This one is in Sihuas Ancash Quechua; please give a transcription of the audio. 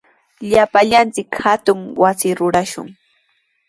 Llapallanchik hatun wasi rurashun.